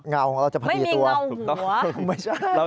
ไม่มีเงาหัว